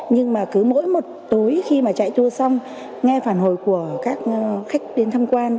nhưng mà cứ mỗi một tối khi mà chạy tour xong nghe phản hồi của các khách đến thăm quan